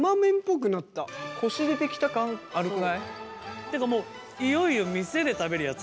ってかもういよいよ店で食べるやつ。